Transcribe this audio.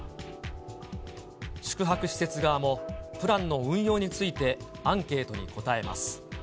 宿泊施設側もプランの運用について、アンケートに答えます。